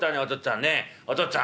ねえお父っつぁん」。